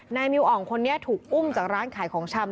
มิวอ่องคนนี้ถูกอุ้มจากร้านขายของชำ